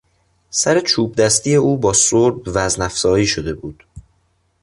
سر چوبدستی او با سرب وزن افزایی شده بود.